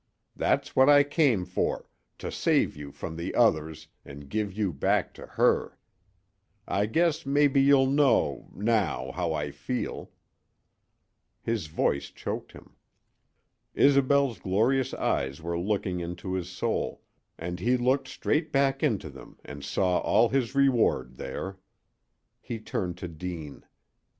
That's what I came for, to save you from the others an' give you back to her. I guess mebbe you'll know now how I feel " His voice choked him. Isobel's glorious eyes were looking into his soul, and he looked straight back into them and saw all his reward there. He turned to Deane.